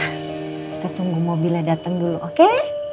kita tunggu mobilnya datang dulu oke